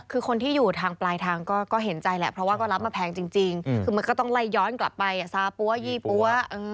คือคนที่อยู่ทางปลายทางก็เห็นใจแหละเพราะว่าก็รับมาแพงจริงคือมันก็ต้องไล่ย้อนกลับไปซาปั๊วยี่ปั๊ว